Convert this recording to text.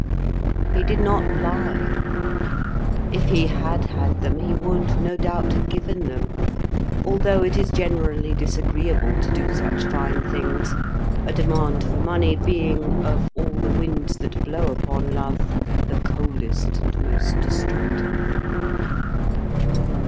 He did not lie. If he had had them, he would, no doubt, have given them, although it is generally disagreeable to do such fine things: a demand for money being, of all the winds that blow upon love, the coldest and most destructive.